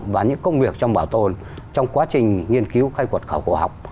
và những công việc trong bảo tồn trong quá trình nghiên cứu khai quật khảo cổ học